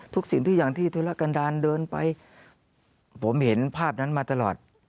สิ่งทุกอย่างที่ธุรกันดาลเดินไปผมเห็นภาพนั้นมาตลอด